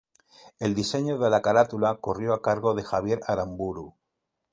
El diseño de la carátula corrió a cargo de Javier Aramburu.